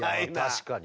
確かにね。